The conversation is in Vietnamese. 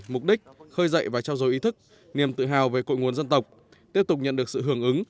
mục đích khơi dậy và trao dồi ý thức niềm tự hào về cội nguồn dân tộc tiếp tục nhận được sự hưởng ứng